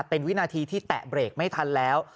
เป็นวินาทีที่แตะเบรกไม่ทันแล้ว